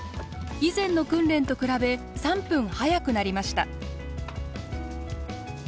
以前の訓練と比べ３分早くなりました。